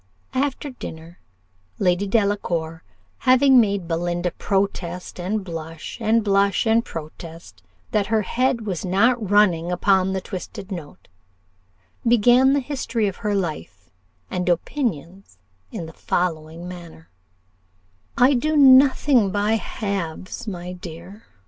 '" After dinner Lady Delacour having made Belinda protest and blush, and blush and protest, that her head was not running upon the twisted note, began the history of her life and opinions in the following manner: "I do nothing by halves, my dear.